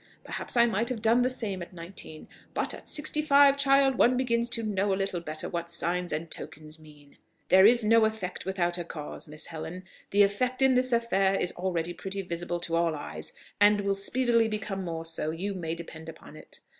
Perhaps I might have done the same at nineteen; but at sixty five, child, one begins to know a little better what signs and tokens mean. There is no effect without a cause, Miss Helen. The effect in this affair is already pretty visible to all eyes, and will speedily become more so, you may depend upon it.